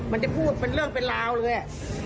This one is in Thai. มันจะพูดเป็นเรื่องเป็นราวเลย